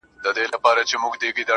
دننه ښه دی، روح يې پر ميدان ښه دی,